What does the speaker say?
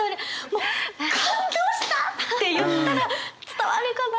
もう「感動した！」って言ったら伝わるかなっていう。